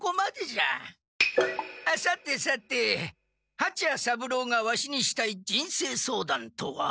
あさてさてはちや三郎がワシにしたい人生相談とは？